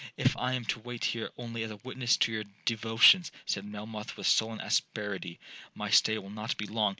'—'If I am to wait here only as a witness to your devotions,' said Melmoth with sullen asperity, 'my stay will not be long.'